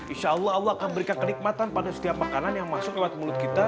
insya allah allah akan memberikan kenikmatan pada setiap makanan yang masuk lewat mulut kita